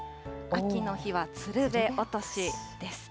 秋の日はつるべ落としです。